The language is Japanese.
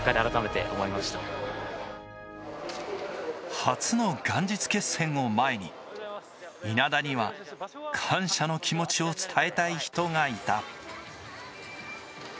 初の元日決戦を前に、稲田には感謝の気持ちを伝えたい人がいた。